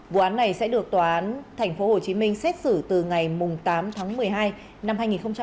vụ án này sẽ được tòa án tp hcm xét xử từ ngày tám tháng một mươi hai năm hai nghìn một mươi ba